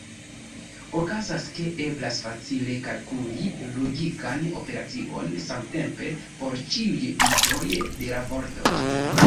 Okazas ke eblas facile kalkuli logikan operacion samtempe por ĉiuj bitoj de la vorto.